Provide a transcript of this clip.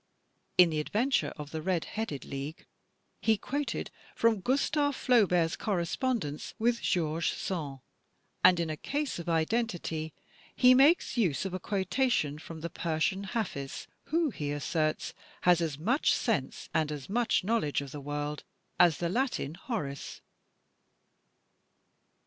In "The Adventure of the Red Headed League," he quoted from Gustave Flaubert's correspondence with George Sand, and in "A Case of Identity" he makes use of a quota tion from the Persian Hafiz, who, he asserts, has as much sense and as much knowledge of the world as the Latin Horace.